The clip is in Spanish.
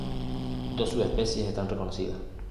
Dos subespecies están reconocidas.